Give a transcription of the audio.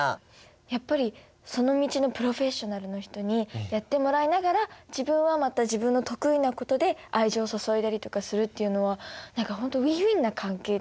やっぱりその道のプロフェッショナルの人にやってもらいながら自分はまた自分の得意なことで愛情を注いだりとかするっていうのは何か本当ウィンウィンな関係というか。